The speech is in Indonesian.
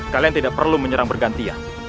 kalian tidak perlu menyerang bergantian